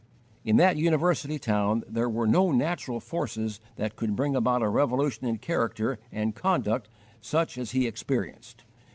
In that university town there were no natural forces that could bring about a revolution in character and conduct such as he experienced.